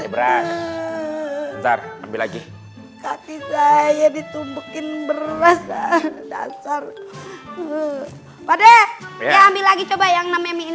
berarti saya ditumpukin berasa dasar pada ambil lagi coba yang namanya